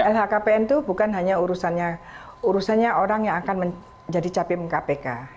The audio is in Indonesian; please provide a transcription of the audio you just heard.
lhkpn itu bukan hanya urusannya orang yang akan menjadi capim kpk